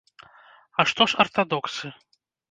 А што ж артадоксы?